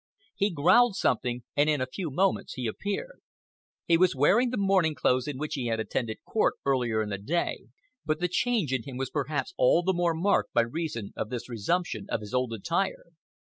He growled something and in a few moments he appeared. He was wearing the morning clothes in which he had attended court earlier in the day, but the change in him was perhaps all the more marked by reason of this resumption of his old attire.